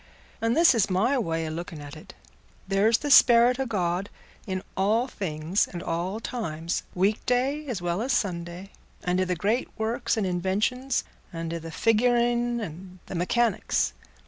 And this is my way o' looking at it: there's the sperrit o' God in all things and all times—weekday as well as Sunday—and i' the great works and inventions, and i' the figuring and the mechanics.